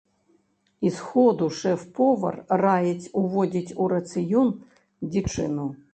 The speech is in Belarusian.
І з ходу шэф-повар раіць уводзіць у рацыён дзічыну.